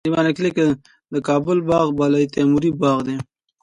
د کابل باغ بالا تیموري باغ دی